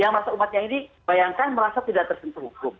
yang merasa umatnya ini bayangkan merasa tidak tersentuh hukum